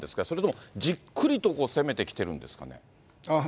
それともじっくりと攻めてきてるんですかね。